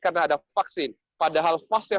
karena ada vaksin padahal fase